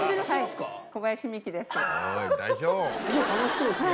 すごい楽しそうですね